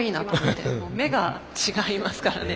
もう目が違いますからね。